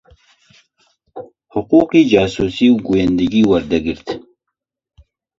حقووقی جاسووسی و گوویندەگی وەردەگرت